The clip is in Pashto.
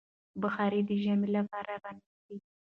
بخارۍ د ژمي لپاره رانيسئ.